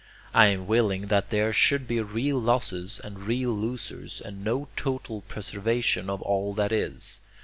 I am willing that there should be real losses and real losers, and no total preservation of all that is.